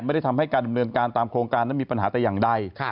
ไม่ได้ทำให้การดำเนินการตามโครงการนั้นมีปัญหาแต่อย่างใด